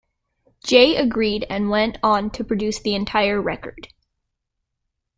Jay agreed and went on to produce the entire record.